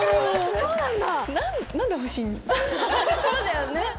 そうだよね。